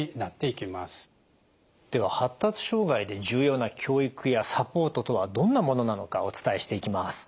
では発達障害で重要な教育やサポートとはどんなものなのかお伝えしていきます。